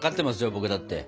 僕だって。